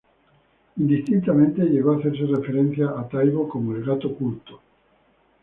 Indistintamente llegó a hacerse referencia a Taibo como "el Gato Culto".